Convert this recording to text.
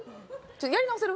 やり直せる？